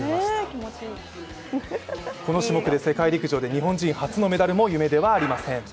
この種目で世界陸上で初のメダルも夢ではありません。